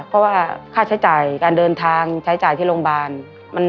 เพราะว่าค่าใช้จ่ายการเดินทางใช้จ่ายที่โรงพยาบาล